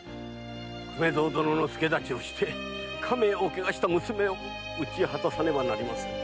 粂蔵殿の助太刀をして家名を汚した娘を討ち果たさねばなりませぬ。